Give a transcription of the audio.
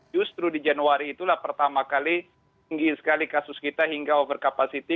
justru di januari itulah pertama kali tinggi sekali kasus kita hingga over capacity